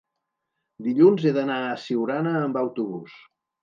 dilluns he d'anar a Siurana amb autobús.